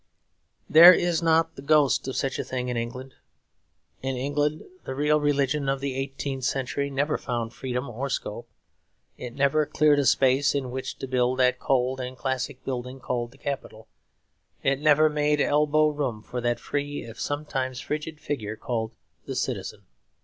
There is not the ghost of such a thing in England. In England the real religion of the eighteenth century never found freedom or scope. It never cleared a space in which to build that cold and classic building called the Capitol. It never made elbow room for that free if sometimes frigid figure called the Citizen.